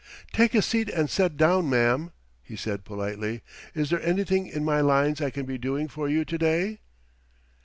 "Take a seat and set down, ma'am," he said politely. "Is there anything in my lines I can be doing for you to day?"